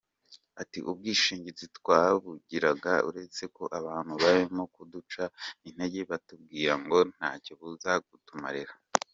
Ati “Ubwishingizi twabugiraga uretse ko abantu barimo kuduca intege batubwira ngo ntacyo buza kutumarira.